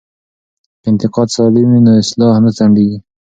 که انتقاد سالم وي نو اصلاح نه ځنډیږي.